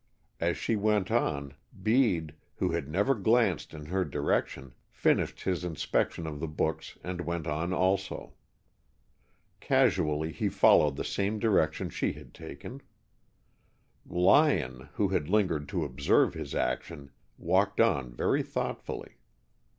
As she went on, Bede, who had never glanced in her direction, finished his inspection of the books and went on also. Casually, he followed the same direction she had taken. Lyon, who had lingered to observe his action, walked on very thoughtfully.